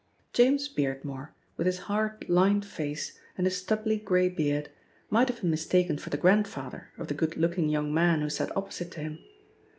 James Beardmore, with his hard, lined face and his stubbly grey beard, might have been mistaken for the grandfather of the good looking young man who sat opposite to him.